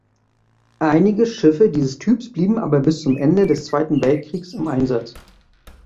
Einige Schiffe dieses Typs blieben aber bis zum Ende des Zweiten Weltkriegs im Einsatz.